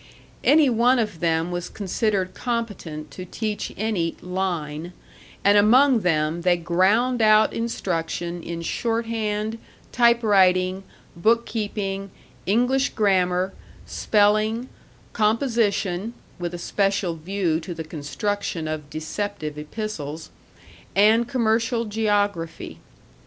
Any one of them was considered competent to teach any "line," and among them they ground out instruction in shorthand, typewriting, book keeping, English grammar, spelling, composition (with a special view to the construction of deceptive epistles), and commercial geography.